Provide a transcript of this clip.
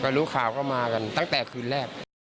รู้ข่าวก็มากันตั้งแต่คืนแรก